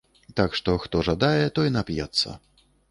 Так што хто жадае, той нап'ецца.